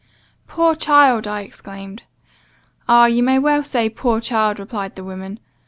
"Poor child!' I exclaimed. 'Ah! you may well say poor child,' replied the woman.